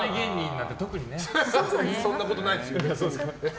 そんなことないですよ。